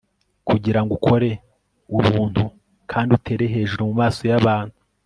Kugirango ukore ubuntu kandi utere hejuru mumaso yabantu